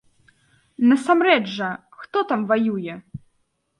Насамрэч жа, хто там ваюе?